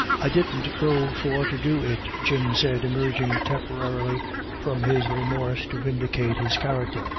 " I didn't go for to do it !" Jim said, emerging temporarily . from his remorse to vindicate his character.